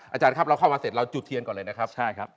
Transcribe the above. อาจารย์ครับเราเข้ามาเสร็จเราจุดเทียนก่อนเลยนะครับใช่ครับ